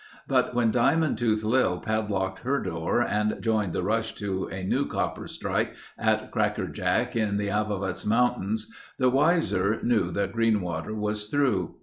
But when Diamond Tooth Lil padlocked her door and joined the rush to a new copper strike at Crackerjack in the Avawatz Mountains the wiser knew that Greenwater was through.